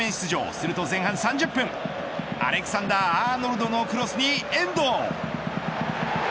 すると前半３０分アレクサンダー・アーノルドのクロスに遠藤。